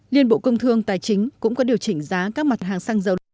liên bộ công thương tài chính cũng có điều chỉnh giá các mặt hàng xăng dầu